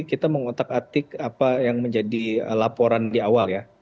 kita mengotak atik apa yang menjadi laporan di awal ya